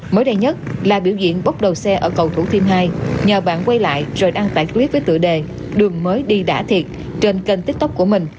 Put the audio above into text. mới đây nhất là biểu diễn bốc đầu xe ở cầu thủ thiêm hai nhờ bạn quay lại rồi đăng tải quyết với tựa đề đường mới đi đã thiệt trên kênh tiktok của mình